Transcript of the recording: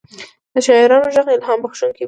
د شاعرانو ږغ الهام بښونکی وي.